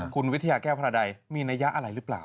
คุณวิทยาแก้วพระใดมีนัยยะอะไรหรือเปล่า